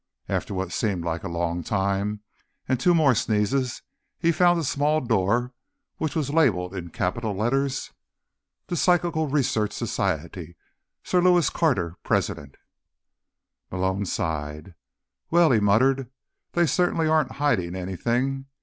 After what seemed like a long time, and two more sneezes, he found a small door which was labeled in capital letters: THE PSYCHICAL RESEARCH SOCIETY SIR LEWIS CARTER PRESIDENT Malone sighed. "Well," he muttered, "they certainly aren't hiding anything."